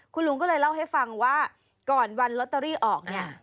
คุณลุงก็เลยเล่าให้ฟังว่าก่อนวันลอตเตอรี่ออกเนี่ย